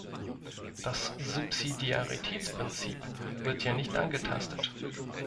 Das Subsidiaritätsprinzip wird ja nicht angetastet.